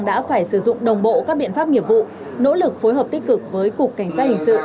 đã phải sử dụng đồng bộ các biện pháp nghiệp vụ nỗ lực phối hợp tích cực với cục cảnh sát hình sự